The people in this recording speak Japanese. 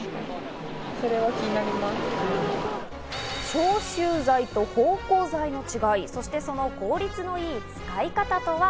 消臭剤と芳香剤の違い、そしてその効率の良い使い方とは？